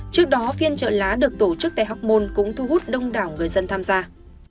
trước đó phiên trợ lá được tổ chức tại học môn cũng thu hút đông đảo người dân tham gia